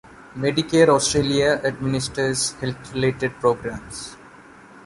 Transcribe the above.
Medicare Australia administers health-related programs.